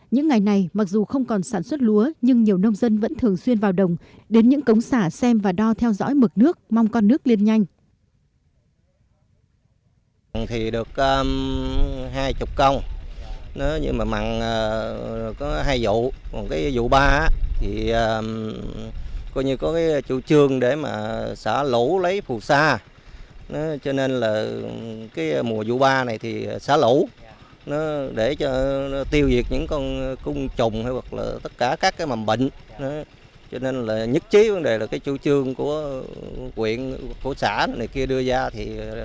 những ngày này mặc dù không còn sản xuất lúa nhưng nhiều nông dân vẫn thường xuyên vào đồng đến những cống xả xem và đo theo dõi mực nước mong con nước liên nhanh